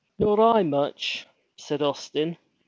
"Nor I much," said Austin.